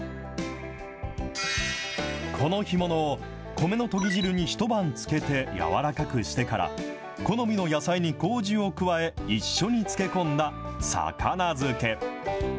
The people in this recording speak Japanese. この干物を米のとぎ汁に一晩漬けて柔らかくしてから、好みの野菜にこうじを加え、一緒に漬け込んだ魚漬け。